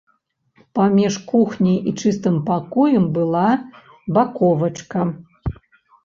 Паміж кухняй і чыстым пакоем была баковачка.